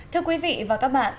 thưa quý vị và các bạn